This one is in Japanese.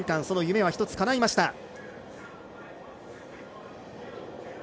その夢は１つかないました。